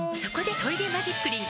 「トイレマジックリン」